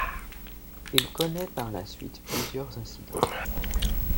Il connaît par la suite plusieurs incidents.